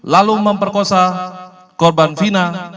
lalu memperkosa korban fina